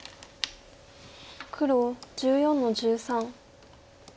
黒１４の十三。